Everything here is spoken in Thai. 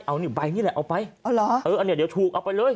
เอานี่ใบนี้แหละเอาไปอ๋อเหรอเอออันนี้เดี๋ยวถูกเอาไปเลย